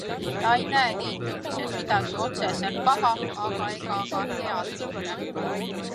Ta ei näe liitumises midagi otseselt paha, aga ega ka head mitte.